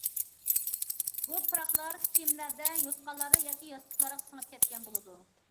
بۇ پۇراقلار كىيىملەردە، يوتقانلاردا ياكى ياستۇقلارغا سىڭىپ كەتكەن بولىدۇ.